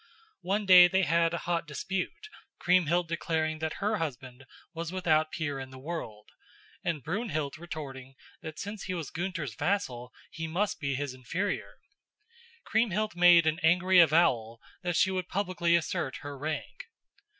One day they had a hot dispute, Kriemhild declaring that her husband was without peer in the world, and Brunhild retorting that since he was Gunther's vassal he must be his inferior. Kriemhild made an angry avowal that she would publicly assert her rank.